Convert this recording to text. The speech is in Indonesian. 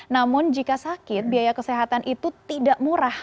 namun jika sakit biaya kesehatan itu tidak murah